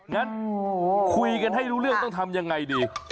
งั้นคุยกันให้รู้เรื่องต้องทำยังไงดี